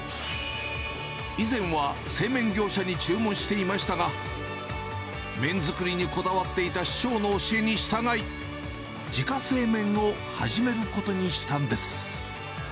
以前は製麺業者に注文していましたが、麺作りにこだわっていた師匠の教えに従い、自家製麺を始めることにしたんです。